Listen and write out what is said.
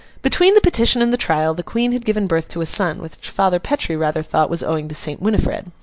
Between the petition and the trial, the Queen had given birth to a son, which Father Petre rather thought was owing to Saint Winifred.